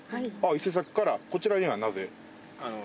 伊勢崎からこちらにはなぜ？